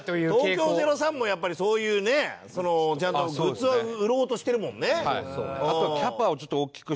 東京０３もやっぱりそういうねちゃんとグッズを売ろうとしてるもんね。